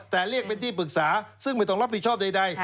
แต่เรียกเป็นที่ปรึกษาซึ่งไม่ต้องรับผิดชอบใด